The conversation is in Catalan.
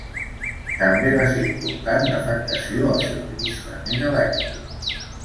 També va ser important l'afectació al subministrament elèctric.